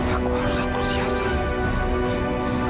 aku harus atur siasat